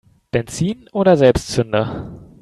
Benzin oder Selbstzünder?